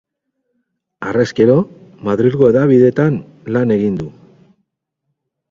Harrezkero, Madrilgo hedabidetan lan egin du.